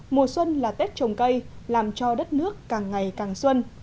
mùa xuân là tết trồng cây làm cho đất nước càng ngày càng xuân